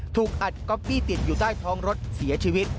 ถูกอัดก๊อปปี้ติดอยู่ใต้ท้องรถเสียชีวิต